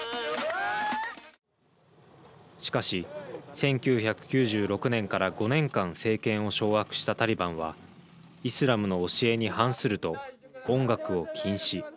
しかし、１９９６年から５年間政権を掌握したタリバンはイスラムの教えに反すると音楽を禁止。